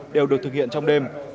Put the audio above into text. đều được thực hiện trong đêm